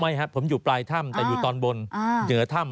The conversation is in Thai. ครับผมอยู่ปลายถ้ำแต่อยู่ตอนบนเหนือถ้ำ